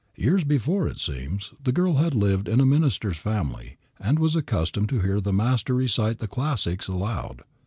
Years before, it seems, the girl had lived in a minister's family, and was accustomed to hear her master recite the classics aloud.